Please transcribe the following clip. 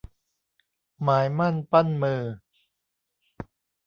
หมายมั่นปั้นมือ